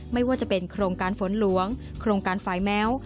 ไม่ว่าจะเป็นโครงการฝนหลวงโครงการฝ่ายแม้ว